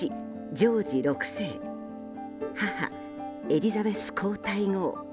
ジョージ６世母エリザベス皇太后